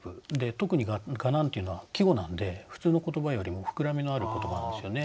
特に「蛾」なんていうのは季語なんで普通の言葉よりも膨らみのある言葉なんですよね。